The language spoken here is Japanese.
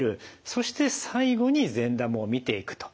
そして最後に善玉を見ていくと。